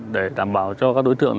để đảm bảo cho các đối tượng